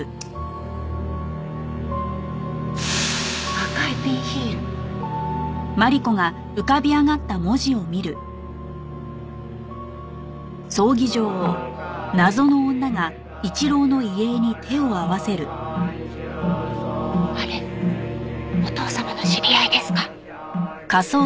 「赤いピンヒール」あれお義父様の知り合いですか？